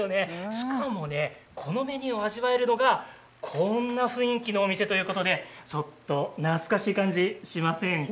しかもねこのメニューを味わえるのがこんな雰囲気のお店ということでちょっと懐かしい感じしませんか。